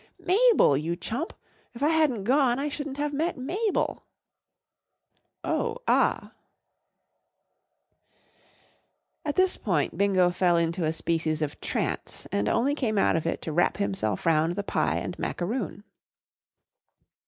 1 Mabel, you chump* If 1 hadn't gone I shouldn't have met Mabel/' 11 Oh, ah !" At this point Bingo fell into a species of trance, and only came out of it to wrap himself round the pie and macaroon.